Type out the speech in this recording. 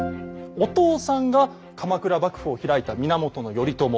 お父さんが鎌倉幕府を開いた源頼朝。